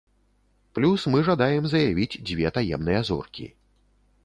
Плюс, мы жадаем заявіць дзве таемныя зоркі.